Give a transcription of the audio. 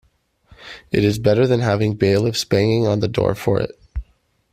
It is better than having bailiffs banging on the door for it.